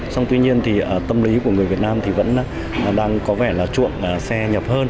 xong tuy nhiên thì tâm lý của người việt nam thì vẫn đang có vẻ là chuộng xe nhập hơn